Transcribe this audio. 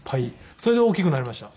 それで大きくなりました。